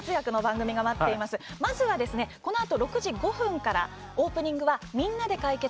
まずは、このあと６時５分からオープニングは「みんなで解決！